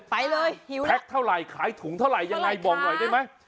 เป็นแพ็คเท่าไรถ่ายถุงเท่าไรยังไงบอกหน่อยได้มั้ย